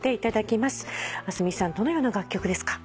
明日海さんどのような楽曲ですか？